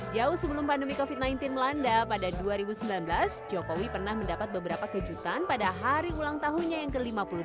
jauh sebelum pandemi covid sembilan belas melanda pada dua ribu sembilan belas jokowi pernah mendapat beberapa kejutan pada hari ulang tahunnya yang ke lima puluh delapan